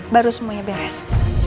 baru semuanya beres